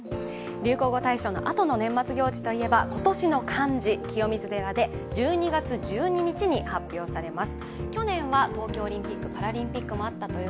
流行語大賞の年末行事といえば今年の漢字、清水寺で１２月１２日に発表されます。